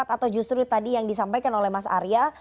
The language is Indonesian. atau justru tadi yang disampaikan oleh mas arya